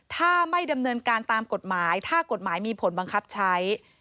ถ้าไม่ดำเนินการตามกฎหมายถ้ากฎหมายมีผลบังคับใช้